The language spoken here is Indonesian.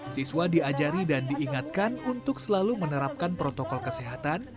siswa diajari dan diingatkan untuk selalu menerapkan protokol kesehatan